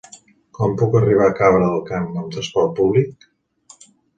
Com puc arribar a Cabra del Camp amb trasport públic?